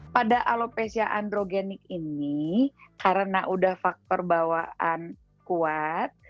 pada alopecia androgenik ini karena udah faktor bawaan kuat